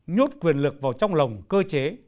nhốt quyền lực vào trong lòng cơ chế